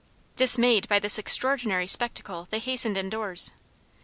Dismayed by this extraordinary spectacle they hastened in doors.